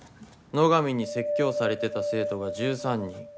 野上に説教されてた生徒が１３人。